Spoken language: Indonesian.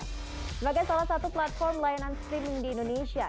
sebagai salah satu platform layanan streaming di indonesia